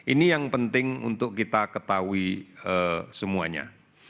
ini yang penting untuk kita ketahui semuanya